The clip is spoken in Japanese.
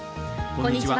こんにちは。